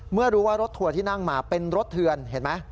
เมื่อรู้ว่ารถทัวร์ที่นั่งมาเป็นรถเถือนเห็นไหม